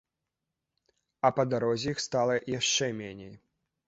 А па дарозе іх стала яшчэ меней.